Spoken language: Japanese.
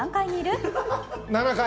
７階！